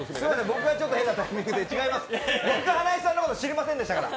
僕が変なタイミングで僕は花井さんのこと知りませんでしたから。